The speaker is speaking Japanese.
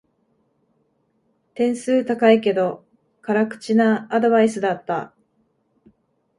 点数高いけど辛口なアドバイスだった